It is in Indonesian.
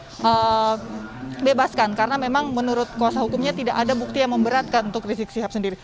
saya tidak mengatakan bahwa rizik sihab ini bisa diperbaiki karena memang menurut kuasa hukumnya tidak ada bukti yang memberatkan untuk rizik sihab sendiri